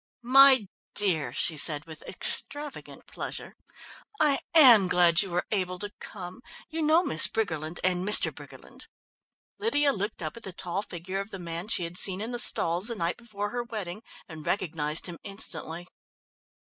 "My dear," she said with extravagant pleasure, "I am glad you were able to come. You know Miss Briggerland and Mr. Briggerland?" Lydia looked up at the tall figure of the man she had seen in the stalls the night before her wedding and recognised him instantly.